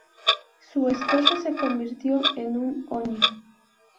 Su esposa se convirtió en un oni.